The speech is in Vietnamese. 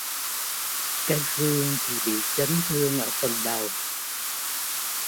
cái Phương thì bị chấn thương ở phần đầu